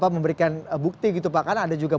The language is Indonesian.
memberikan bukti gitu pak karena ada juga